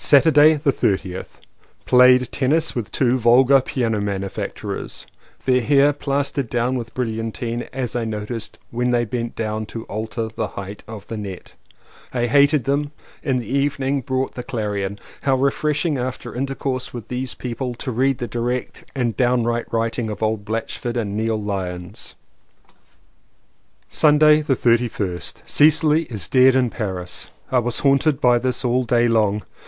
211 CONFESSIONS OF TWO BROTHERS Saturday the 30th. Played tennis with two vulgar piano manufacturers, their hair plastered down with brilliantine, as I noticed when they bent down to alter the height of the net. I hated them. In the evening bought The Clarion. How refreshing after in tercourse with these people to read the direct and downright writing of old Blatch ford and Neil Lyons! Sunday the 31st. Cecily is dead in Paris. I was haunted by this all day long.